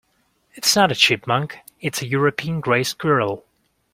It's not a chipmunk: it's a European grey squirrel.